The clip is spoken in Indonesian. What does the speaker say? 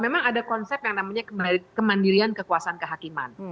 memang ada konsep yang namanya kemandirian kekuasaan kehakiman